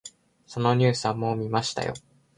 そのニュースはもう見ましたよ。